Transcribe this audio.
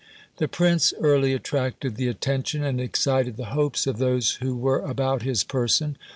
The prince early attracted the attention and excited the hopes of those who were about his person.